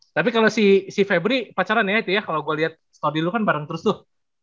tapi kalo si febri pacaran ya itu ya kalo gua lihat story lu kan bareng terus tuh